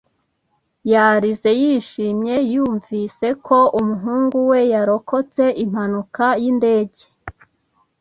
Yarize yishimye yumvise ko umuhungu we yarokotse impanuka y'indege.